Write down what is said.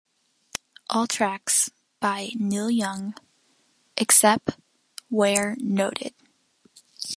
All tracks by Neil Young, except where noted.